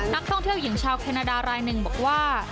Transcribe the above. นักท่องเที่ยวหญิงชาวแคนาดารายหนึ่งบอกว่า